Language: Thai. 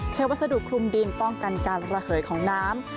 วัสดุคลุมดินป้องกันการระเหยของน้ำ